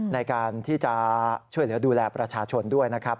ในการที่จะช่วยเหลือดูแลประชาชนด้วยนะครับ